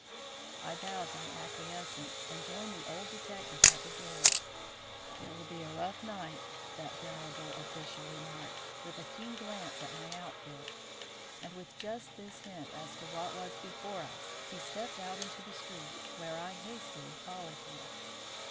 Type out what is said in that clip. I bowed my acquiescence, and joined the old detective at the door. "It will be a rough night," that venerable official remarked, with a keen glance at my outfit. And with just this hint as to what was before us, he stepped out into the street, where I hastily followed him.